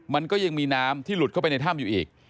มันก็ยังมีน้ำที่หลุดเข้าไปในถ้ำอยู่อีก